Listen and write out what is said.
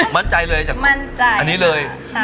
มั่นใจเลยจากอันนี้เลย